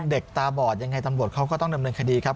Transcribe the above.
เด็กตาบอดยังไงตำรวจเขาก็ต้องเริ่มเริ่มคดีครับ